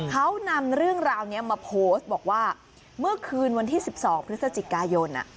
เขานำเรื่องราวนี้มาโพสต์บอกว่าเมื่อคืนวันที่๑๒พฤศจิกายน